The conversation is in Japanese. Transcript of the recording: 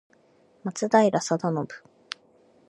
松平定信